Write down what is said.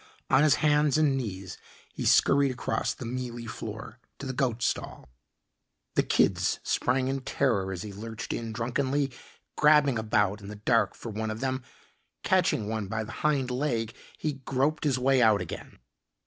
On his hands and knees he scurried across the mealy floor to the goat stall. The kids sprang in terror as he lurched in drunkenly, grabbing about in the dark for one of them. Catching one by the hind leg, he groped his way out again.